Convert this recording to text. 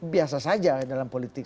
biasa saja dalam politik